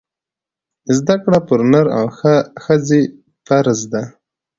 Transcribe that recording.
زده کړه پر نر او ښځي فرځ ده